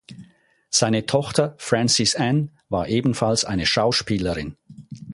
Seine Tochter Frances Anne war ebenfalls eine Schauspielerin.